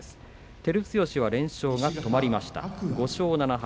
照強は連勝が止まりました５勝７敗。